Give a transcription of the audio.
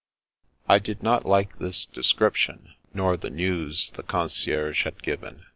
I did not like this description, nor the news the concierge had given.